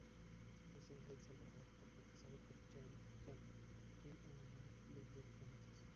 Es el "rey salvador" profetizado por Jeanne, quien unirá los dos planetas.